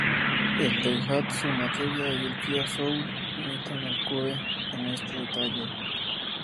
El Daihatsu Materia y el Kia Soul imitan al Cube en este detalle.